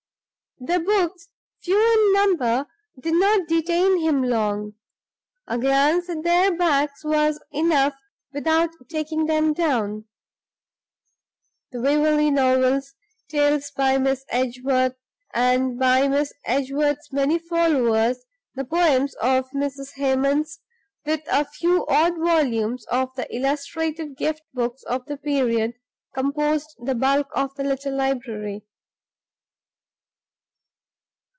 The books, few in number, did not detain him long; a glance at their backs was enough without taking them down. The Waverley Novels, Tales by Miss Edgeworth, and by Miss Edgeworth's many followers, the Poems of Mrs. Hemans, with a few odd volumes of the illustrated gift books of the period, composed the bulk of the little library.